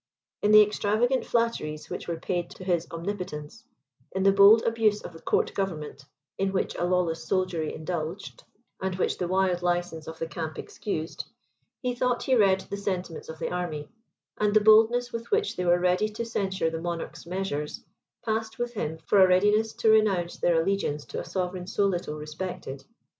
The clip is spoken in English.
In the extravagant flatteries which were paid to his omnipotence, in the bold abuse of the court government, in which a lawless soldiery indulged, and which the wild licence of the camp excused, he thought he read the sentiments of the army; and the boldness with which they were ready to censure the monarch's measures, passed with him for a readiness to renounce their allegiance to a sovereign so little respected.